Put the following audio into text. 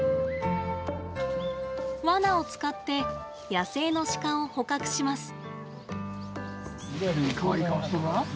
わなを使って野生のシカを捕獲します。